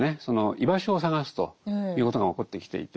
居場所を探すということが起こってきていて。